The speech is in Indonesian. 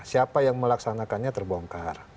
siapa yang melaksanakannya terbongkar